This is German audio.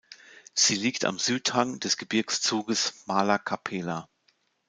Sie liegt am Südhang des Gebirgszugs Mala Kapela.